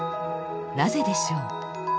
なぜでしょう？